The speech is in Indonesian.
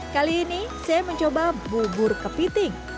kali ini saya mencoba bubur kepiting